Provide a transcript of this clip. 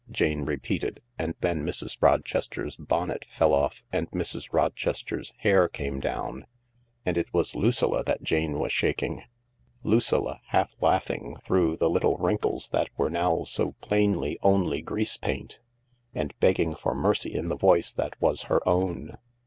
Jane repeated, and then Mrs. Rochester's bonnet fell off and Mrs. Rochester's hair came down, and it was Lucilla that Jane was shaking — Lucilla, half laughing through the little wrinkles that were now so plainly only grease paint, and begging for mercy in the voice that was her own.